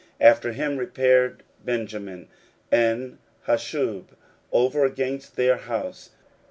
16:003:023 After him repaired Benjamin and Hashub over against their house.